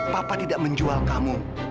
papa tidak menjual kamu